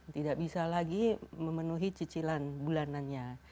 tidak bisa lagi memenuhi cicilan bulanannya